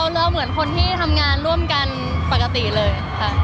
ไม่นะคะเราเหมือนคนที่ทำงานร่วมกันปกติเลย